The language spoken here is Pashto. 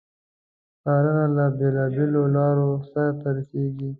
څارنه له بیلو بېلو لارو سرته رسیږي.